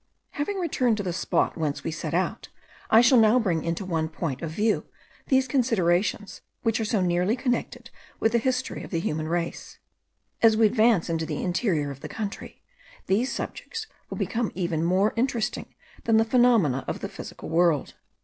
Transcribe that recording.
Having returned to the spot whence we set out, I shall now bring into one point of view these considerations which are so nearly connected with the history of the human race. As we advance into the interior of the country, these subjects will become even more interesting than the phenomena of the physical world.